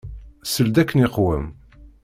Sel-d akken iqwem.